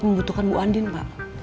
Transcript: membutuhkan bu andi pak